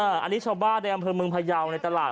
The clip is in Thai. อันนี้ชาวบ้าแดมเพิงเมืองพายาวในตลาด